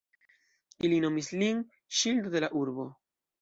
Ili nomis lin "ŝildo de la urbo".